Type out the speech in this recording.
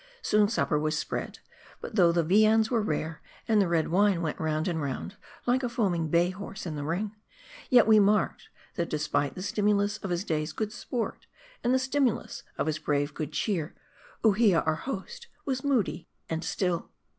Soon supper. was spread. But though the viands were rare, and the red wine went round and round like a foaming bay horse in the ring ; yet we marked, that despite the stimulus of his day's good sport, and the stimulus of his brave good cheer, Uhia our host was moody and still.